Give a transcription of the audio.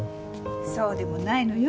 そうでもないのよ。